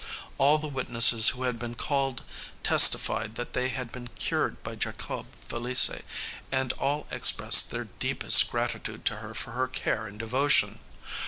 All the witnesses who had been called testified that they had been cured by Jacobe Felicie, and all expressed their deepest gratitude to her for her care and devotion.